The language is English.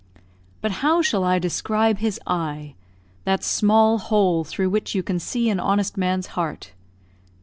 But how shall I describe his eye that small hole through which you can see an honest man's heart?